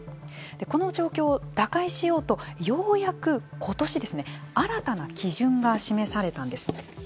この状況を打開しようとようやく今年新たな基準が示されたんです。